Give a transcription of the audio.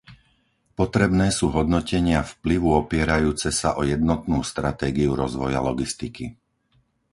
Potrebné sú hodnotenia vplyvu opierajúce sa o jednotnú stratégiu rozvoja logistiky.